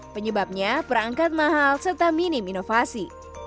penyebabnya perangkat mahal serta minim inovasi